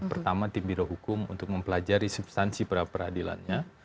pertama tim birohukum untuk mempelajari substansi pra peradilannya